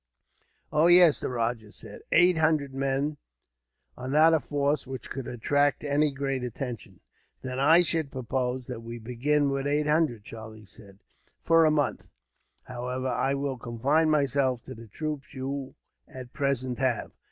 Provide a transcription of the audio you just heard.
"Oh, yes," the rajah said; "eight hundred men are not a force which could attract any great attention." "Then I should propose that we begin with eight hundred," Charlie said. "For a month, however, I will confine myself to the troops you at present have.